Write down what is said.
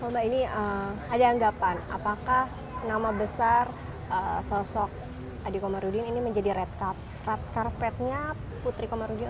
mbak ini ada anggapan apakah nama besar sosok adi komarudin ini menjadi red carpetnya putri komarudin